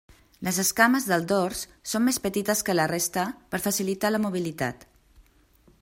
Les escames del dors són més petites que la resta, per facilitar la mobilitat.